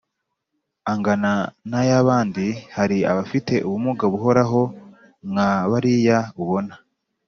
angana n'ay'abandi. hari abafite ubumuga buhoraho nka bariya ubona